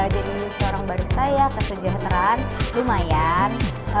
jadi seorang barista ya kesejahteraan lumayan